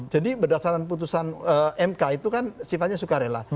jadi berdasarkan putusan mk itu kan sifatnya sukarela